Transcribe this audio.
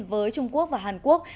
với trung quốc và hàn quốc